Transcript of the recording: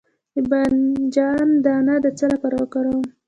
د بانجان دانه د څه لپاره وکاروم؟